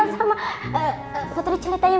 sama kateri ceritanya